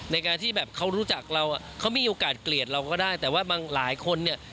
ในการที่แบบเขารู้จักเราอ่ะเขามีโอกาสเกลียดเราก็ได้แต่ว่าบางหลายคนเนี่ย